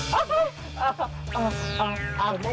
มันเสร็จไหมครับ